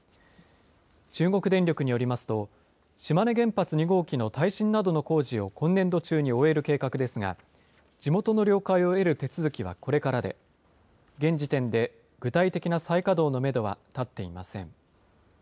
中国電力によりますと、島根原発２号機の耐震などの工事を今年度中に終える計画ですが、地元の了解を得る手続きはこれからで、現時点で具体的な再稼働のメドは立っていません。